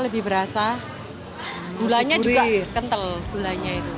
lebih berasa gulanya juga